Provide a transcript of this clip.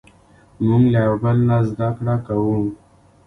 موږ له یو بل نه زدهکړه کوو.